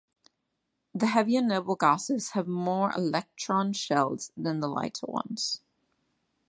The heavier noble gases have more electron shells than the lighter ones.